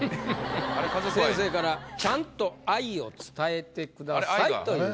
先生からちゃんと愛を伝えてくださいという。